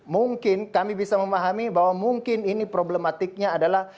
mungkin kami bisa memahami bahwa mungkin ini problematiknya adalah